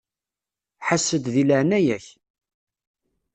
Ḥess-d di leɛnaya-k.